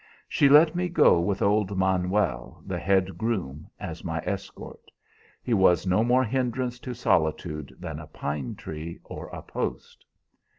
She let me go with old Manuel, the head groom, as my escort. He was no more hindrance to solitude than a pine tree or a post.